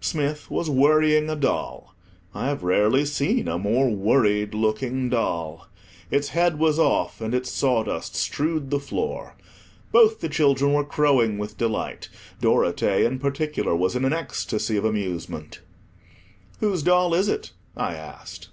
Smith was worrying a doll. I have rarely seen a more worried looking doll. Its head was off, and its sawdust strewed the floor. Both the children were crowing with delight; Dorothea, in particular, was in an ecstasy of amusement. "Whose doll is it?" I asked.